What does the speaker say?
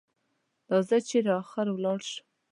دا زه چېرې اخر لاړ شم؟